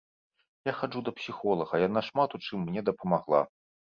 Я хаджу да псіхолага, яна шмат у чым мне дапамагла.